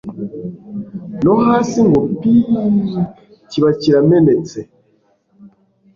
no hasi ngo piiiii! kiba kiramenetse